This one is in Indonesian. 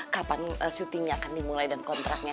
kapan syutingnya akan dimulai dan kontraknya